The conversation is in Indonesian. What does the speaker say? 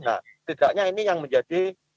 nah tidaknya ini yang menjadi